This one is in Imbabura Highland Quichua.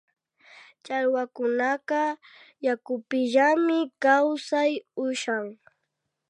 Challwakunaka yakupimillami kawsay ushan